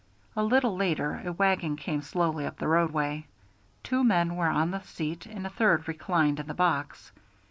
A little later a wagon came slowly up the roadway. Two men were on the seat and a third reclined in the box.